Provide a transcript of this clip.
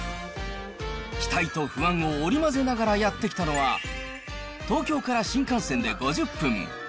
期待と不安を織り交ぜながらやって来たのは、東京から新幹線で５０分。